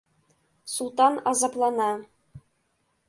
— Султан азаплана.